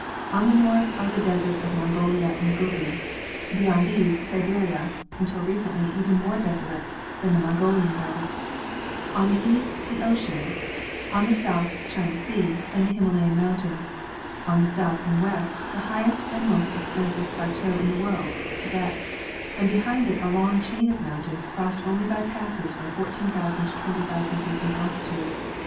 On the north are the deserts of Mongolia and Gobi, beyond these Siberia, until recently even more desolate than the Mongolian desert ; on the east the ocean ; on the south China sea and the Himalaya mountains ; on the south and west the highest and most extensive plateau in the world, Tibet, and behind, it a long chain of mountains crossed only by passes from 14,000 to 20,000 feet in altitude.